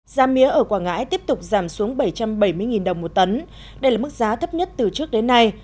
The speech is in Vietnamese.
giá mía ở quảng ngãi tiếp tục giảm xuống bảy trăm bảy mươi đồng một tấn đây là mức giá thấp nhất từ trước đến nay